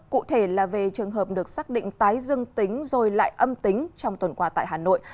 cụ thể là về trường hợp được xác định tái dương tính rồi lại âm tính trong tuần qua tại hà nội